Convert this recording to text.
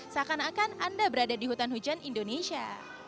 seakan akan anda berada di hutan hujan indonesia